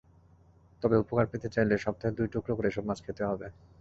তবে উপকার পেতে চাইলে সপ্তাহে দুই টুকরো করে এসব মাছ খেতে হবে।